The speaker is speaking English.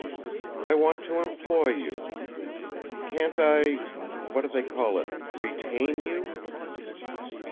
"I want to employ you. Can't I what do they call it? retain you?"